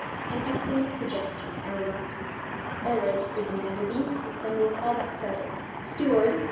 "An excellent suggestion," I remarked. "All right," agreed Enderby; "then we'll call that settled. Steward!"